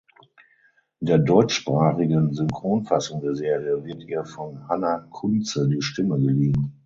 In der deutschsprachigen Synchronfassung der Serie wird ihr von Hannah Kunze die Stimme geliehen.